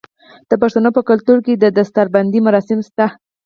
د پښتنو په کلتور کې د دستار بندی مراسم شته.